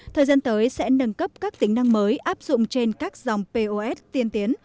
thời gian tới sẽ nâng cấp các tính năng mới áp dụng trên các dòng pos tiên tiến